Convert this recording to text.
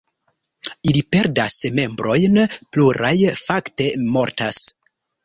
Ili perdas membrojn, pluraj fakte mortas.